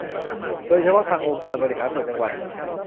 โดยเฉพาะทางองค์การบริหารส่วนจังหวัด